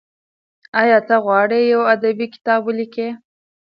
ایا ته غواړې یو ادبي کتاب ولیکې؟